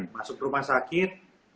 masuk rumah sakit